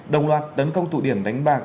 đồng loạt tấn công tụ điểm đánh bạc